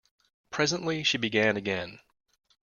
Presently she began again.